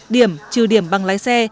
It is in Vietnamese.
điểm trừ điểm bằng lái xe